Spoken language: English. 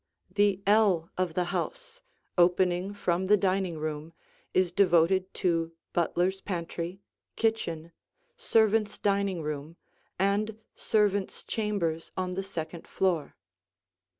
The ell of the house, opening from the dining room, is devoted to butler's pantry, kitchen, servants' dining room, and servants' chambers on the second floor.